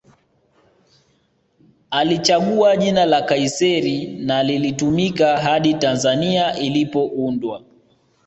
Alichagua jina la Kaiser na lilitumika hadi Tanzania ilipoundwa